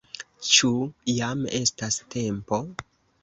Ĉu jam estas tempo?